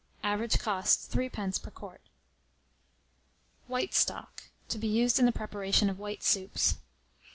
Average cost, 3d. per quart. WHITE STOCK. (To be Used in the Preparation of White Soups.)